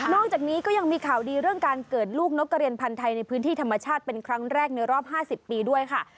จากนี้ก็ยังมีข่าวดีเรื่องการเกิดลูกนกกระเรียนพันธ์ไทยในพื้นที่ธรรมชาติเป็นครั้งแรกในรอบ๕๐ปีด้วยค่ะ